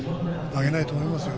上げないと思いますよ